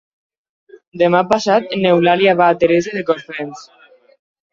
Demà passat n'Eulàlia va a Teresa de Cofrents.